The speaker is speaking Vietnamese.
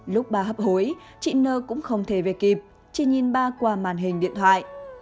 lúc bà hấp hối chị nơ cũng không thể về kịp chỉ nhìn bà qua màn hình điện thoại